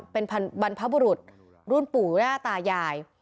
เป็นบรรพบุรุษรุ่นปู่หน้าตายาย